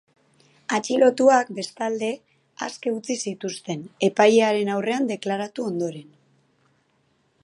Atxilotuak, bestalde, aske utzi zituzten, epailearen aurrean deklaratu ondoren.